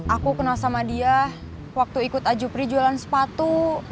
aku kenal sama dia waktu ikut ajupri jualan sepatu